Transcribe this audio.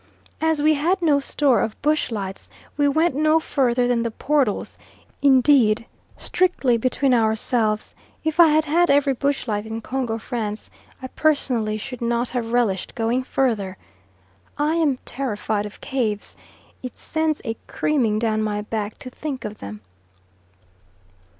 As we had no store of bush lights we went no further than the portals; indeed, strictly between ourselves, if I had had every bush light in Congo Francais I personally should not have relished going further. I am terrified of caves; it sends a creaming down my back to think of them.